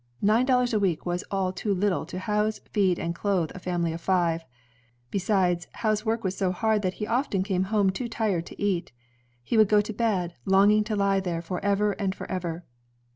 Nine dollars a week was all too little to house, feed, and clothe a family of five. Besides, Howe's work was so hard that he often came home too tired to eat. He would go to bed, longing to lie there forever and forever."